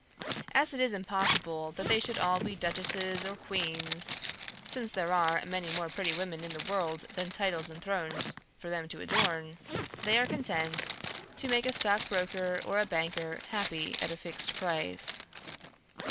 As it is impossible that they should all be duchesses or queens (since there are many more pretty women in the world than titles and thrones for them to adorn), they are content to make a stockbroker or a banker happy at a fixed price.